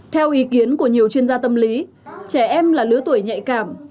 theo ý kiến của nhiều chuyên gia tâm lý trẻ em là lứa tuổi nhạy cảm